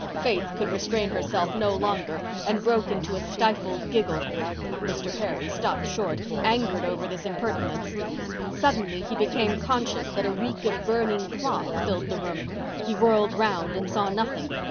Faith could restrain herself no longer and broke into a stifled giggle. Mr. Perry stopped short, angered over this impertinence. Suddenly he became conscious that a reek of burning cloth filled the room. He whirled round and saw nothing.